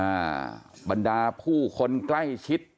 บรรดาผู้คนใกล้ชิด